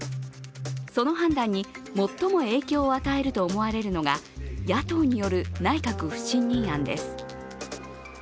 その判断に最も影響を与えると思われるのが野党による内閣不信任案です。